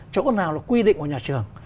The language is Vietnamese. chỗ nào là quy định của nhà trường